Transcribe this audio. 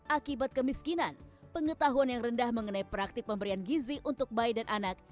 akibat kemiskinan pengetahuan yang rendah mengenai praktik pemberian gizi untuk bayi dan anak